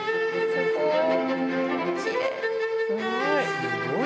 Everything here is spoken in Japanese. すごい。